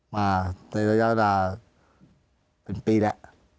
มาในระยะเวลาเป็นปีแล้ว